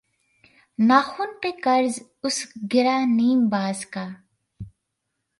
ناخن پہ قرض اس گرہ نیم باز کا